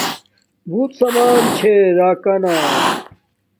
بوت سمان چھے راکانا